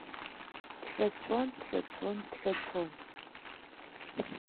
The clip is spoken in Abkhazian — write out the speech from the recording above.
Дҳәацәон, дҳәацәон, дҳәацәон.